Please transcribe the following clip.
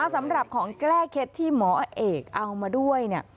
สำหรับของแก้เคล็ดที่หมอเอกเอามาด้วยเนี่ย